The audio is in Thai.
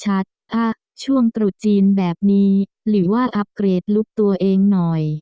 ช่วงตรุษจีนแบบนี้หรือว่าอัพเกรดลุคตัวเองหน่อย